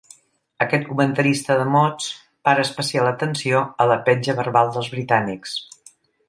Aquest comentarista de mots para especial atenció a la petja verbal dels britànics.